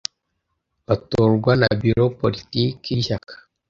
batorwa na biro politiki y ishyaka